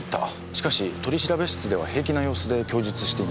しかし取調室では平気な様子で供述していました。